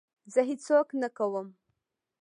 زه هېڅ څوک نه کوم.